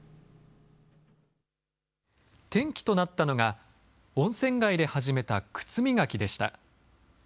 転機となったのが、温泉街で始めた靴磨きでした。